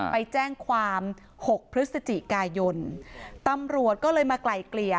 ไปแจ้งความ๖พฤศจิกายนตำรวจก็เลยมาไกลเกลี่ย